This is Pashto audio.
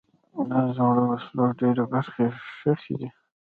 د زړو وسلو ډېری برخې ښخي دي.